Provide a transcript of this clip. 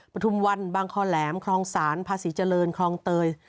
ประถุมวันบางคอแหลมครองสานพระศรีเจริญครองเตย